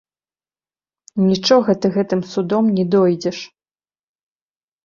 Нічога ты гэтым судом не дойдзеш!